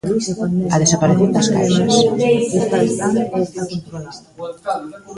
A desaparición das caixas.